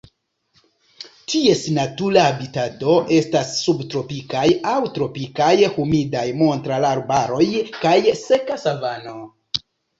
Ties natura habitato estas subtropikaj aŭ tropikaj humidaj montararbaroj kaj seka savano.